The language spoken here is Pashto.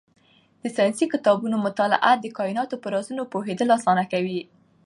د ساینسي کتابونو مطالعه د کایناتو په رازونو پوهېدل اسانه کوي.